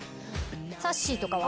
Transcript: さっしーとかは？